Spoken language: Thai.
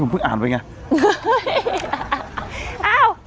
ปรากฏว่าจังหวัดที่ลงจากรถ